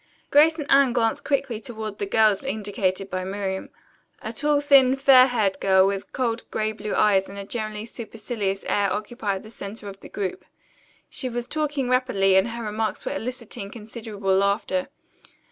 Grace and Anne glanced quickly toward the girls indicated by Miriam. A tall, thin, fair haired girl with cold gray blue eyes and a generally supercilious air occupied the center of the group. She was talking rapidly and her remarks were eliciting considerable laughter.